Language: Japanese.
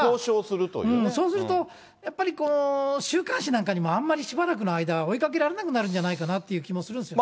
そうすると、やっぱり週刊誌なんかにもあんまりしばらくの間は追いかけられなくなるんじゃないかなっていう気もするしね。